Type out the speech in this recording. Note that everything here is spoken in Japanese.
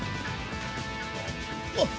あっ。